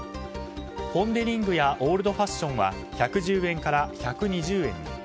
ポン・デ・リングやオールドファッションは１１０円から１２０円に。